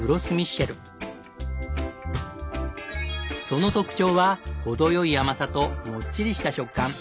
その特長は程良い甘さともっちりした食感。